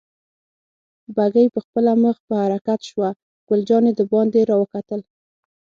بګۍ پخپله مخ په حرکت شوه، ګل جانې دباندې را وکتل.